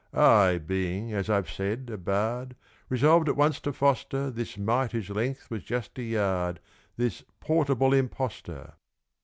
I, being, as I've said, a bard, Resolved at once to foster This mite whose length was just a yard This portable impostor!